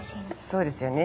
そうですよね。